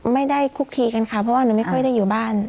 ไม่ได้คุกคีกันค่ะเพราะว่าหนูไม่ค่อยได้อยู่บ้าน